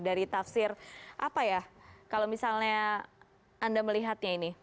dari tafsir apa ya kalau misalnya anda melihatnya ini